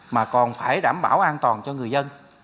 mà còn phải đảm bảo an toàn cho người dân